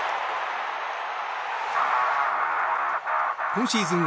今シーズン